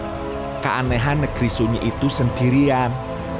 karena keanehan negeri sunyi itu sendirian